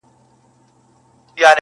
ته هم چنداني شی ولاکه يې ه ياره